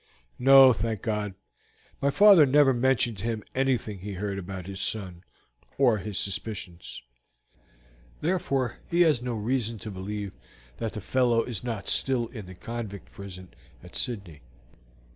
"No, thank God; my father never mentioned to him anything he heard about his son, or his suspicions, therefore he has no reason to believe that the fellow is not still in the convict prison at Sydney.